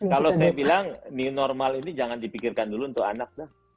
kalau saya bilang new normal ini jangan dipikirkan dulu untuk anak dah